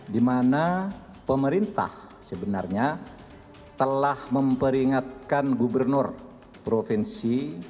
di mana pemerintah sebenarnya telah memperingatkan gubernur provinsi